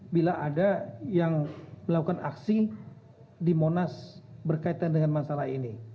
bila ada yang melakukan aksi di monas berkaitan dengan masalah ini